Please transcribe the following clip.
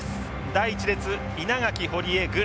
第１列稲垣堀江グ。